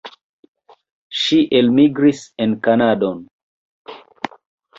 Ŝi elmigris en Kanadon.